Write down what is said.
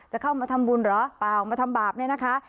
จะเข้ามาทำบุญเหรอเปล่ามาทำบาปเนี่ยนะคะ